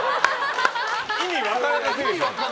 意味分からなすぎる。